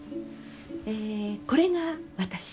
えこれが私。